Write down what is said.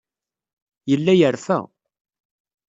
Yella yerfa.